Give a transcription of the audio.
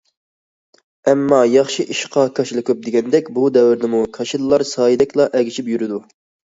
ئەمما، ياخشى ئىشقا كاشىلا كۆپ دېگەندەك، بۇ دەۋردىمۇ كاشىلىلار سايىدەكلا ئەگىشىپ يۈرىدۇ.